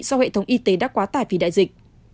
do hệ thống y tế đã quá tải vì đại dịch